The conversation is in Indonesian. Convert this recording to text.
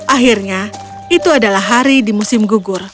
akhirnya itu adalah hari di musim gugur